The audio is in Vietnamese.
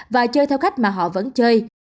và chơi theo cách mà họ vẫn chơi